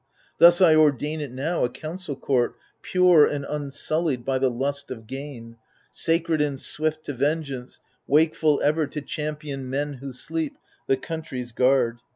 Thus I ordain it now, a council court Pure and unsullied by the lust of gain, Sacred and swift to vengeance, wakeful ever To champion men who sleep, the country's guard.